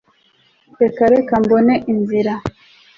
reka reka mbone inzira